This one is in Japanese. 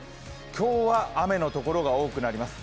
今日は雨の所が多くなります。